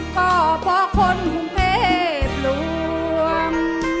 เพราะเพราะคนกรุงเทพฯร่วม